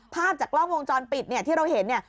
ภาพจากกล้องวงจรปิดที่เราเห็น